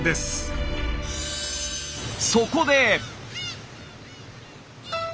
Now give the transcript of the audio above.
そこで！